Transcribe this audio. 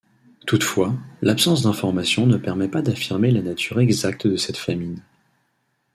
Toutefois, l'absence d'information ne permet pas d'affirmer la nature exacte de cette famine.